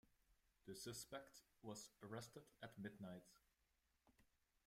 The suspect was arrested at midnight